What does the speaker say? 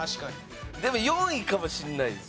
でも４位かもしれないです。